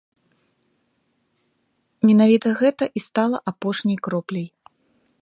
Менавіта гэта і стала апошняй кропляй.